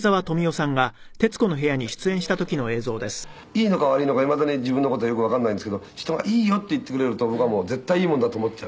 「いいのか悪いのかいまだに自分の事よくわかんないんですけど人が“いいよ”って言ってくれると僕はもう絶対いいもんだと思っちゃう」